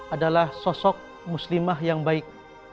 adalah sosok muslimah yang baik